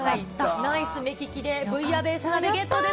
ナイス目利きで、ブイヤベース鍋ゲットです。